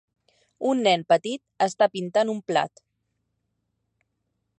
Un nen petit està pintant un plat.